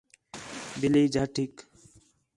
ٻلّھی جھٹ ہِک